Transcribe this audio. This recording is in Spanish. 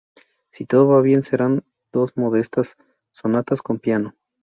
Si todo va bien, serán dos modestas sonatas con piano’’.